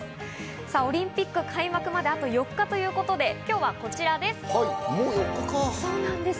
オリンピック開幕まであと４日ということで、今日はこちらです。